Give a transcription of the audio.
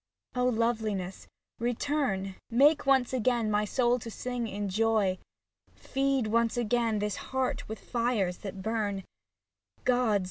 O Loveliness, return, Make once again my soul to sing in joy. Feed once again this heart with fires that burn, 77 SAPPHO TO PHAON Gods